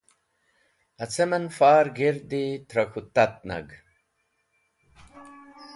Acem en far g̃hirdi trẽ k̃hũ tat nag.